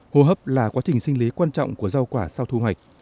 hô hấp là quá trình sinh lý quan trọng của rau quả sau thu hoạch